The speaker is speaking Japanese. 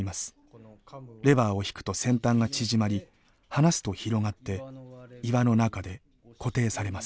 レバーを引くと先端が縮まり離すと広がって岩の中で固定されます。